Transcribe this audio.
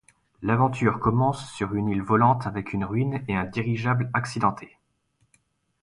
L'aventure commence sur une île volante avec une ruine et un dirigeable accidenté.